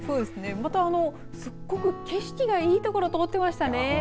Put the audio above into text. またすごく景色がいいところ通っていましたね。